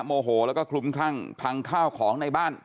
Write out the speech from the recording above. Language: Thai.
โมโหแล้วก็คลุมคลั่งพังข้าวของในบ้าน